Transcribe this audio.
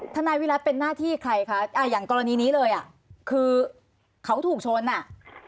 นายวิรัติเป็นหน้าที่ใครคะอ่าอย่างกรณีนี้เลยอ่ะคือเขาถูกชนอ่ะ